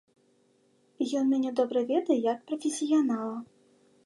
І ён мяне добра ведае як прафесіянала.